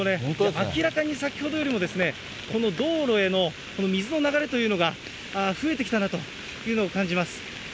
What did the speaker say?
明らかに先ほどよりもこの道路への水の流れというのが増えてきたなというのを感じます。